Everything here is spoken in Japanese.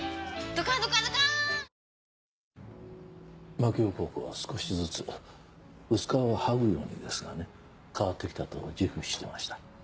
槙尾高校は少しずつ薄皮を剥ぐようにですがね変わって来たと自負してました。